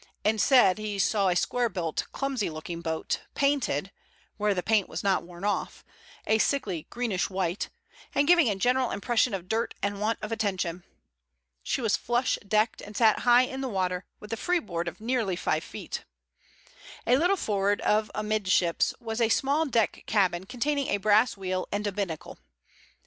Instead he saw a square built, clumsy looking boat, painted, where the paint was not worn off, a sickly greenish white, and giving a general impression of dirt and want of attention. She was flush decked, and sat high in the water, with a freeboard of nearly five feet. A little forward of amidships was a small deck cabin containing a brass wheel and binnacle.